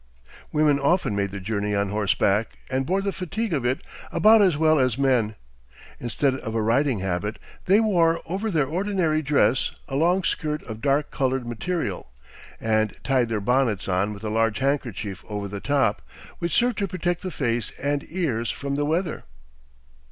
Women often made the journey on horseback, and bore the fatigue of it about as well as men. Instead of a riding habit, they wore over their ordinary dress a long skirt of dark colored material, and tied their bonnets on with a large handkerchief over the top, which served to protect the face and ears from the weather.